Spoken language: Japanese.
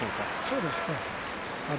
そうですね。